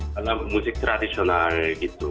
dalam musik tradisional gitu